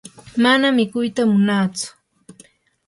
mana mikuyta munatsu.